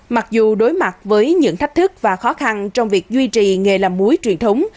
mặc dù đối mặt với những thách thức và khó khăn trong việc duy trì nghề làm muối truyền thống